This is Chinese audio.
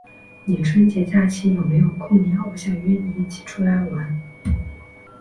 你春节假期有没有空呀？我想约你一起出来玩。